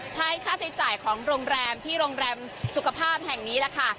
ค่าใช้จ่ายของโรงแรมที่โรงแรมสุขภาพแห่งนี้แหละค่ะ